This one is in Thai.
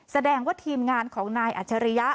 แสดงว่าทีมงานของนายอัจฉริยะ